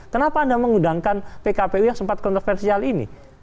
kenapa anda mengundangkan pkpu yang sempat kontroversial ini